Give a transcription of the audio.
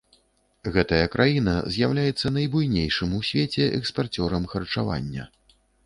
Гэтая краіна з'яўляецца найбуйнейшым у свеце экспарцёрам харчавання.